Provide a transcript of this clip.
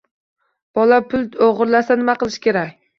Bola pul o'g'irlasa nima qilish kerak?